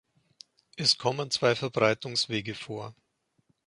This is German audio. Es kommen zwei Verbreitungswege vor.